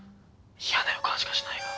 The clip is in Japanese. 嫌な予感しかしないが。